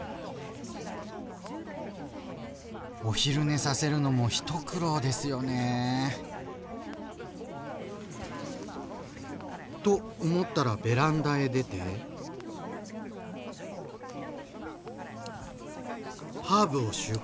お昼寝させるのも一苦労ですよね？と思ったらベランダへ出てハーブを収穫。